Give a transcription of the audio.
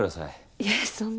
いえそんな。